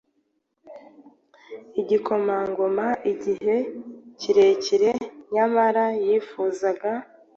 igikomangoma igihe kirekire nyamara yifuzaga